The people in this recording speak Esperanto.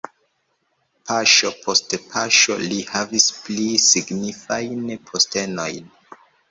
Paŝo post paŝo li havis pli signifajn postenojn.